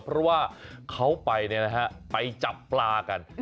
เพราะว่าเขาไปจับปลากัน